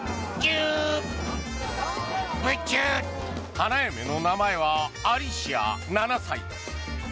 花嫁の名前はアリシア、７歳。